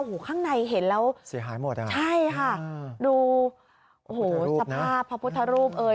โอ้โหข้างในเห็นแล้วเสียหายหมดอ่ะใช่ค่ะดูโอ้โหสภาพพระพุทธรูปเอ่ย